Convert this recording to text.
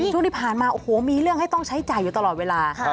ช่วงที่ผ่านมาโอ้โหมีเรื่องให้ต้องใช้จ่ายอยู่ตลอดเวลา